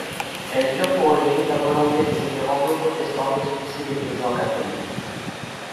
Elles eurent pour origine la volonté des seigneurs anglo-protestants d'expulser les paysans catholiques.